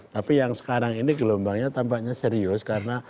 tapi yang sekarang ini gelombangnya tampaknya serius karena